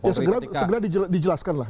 ya segera dijelaskan lah